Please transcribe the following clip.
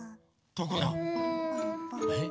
どこだ？えっ？